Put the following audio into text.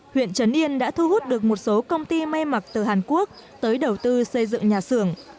huyện trấn yên đã thu hút được một số công ty may mặc từ hàn quốc tới đầu tư xây dựng nhà xưởng